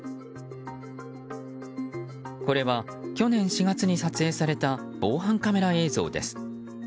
これは、去年４月に撮影された防犯カメラ映像です。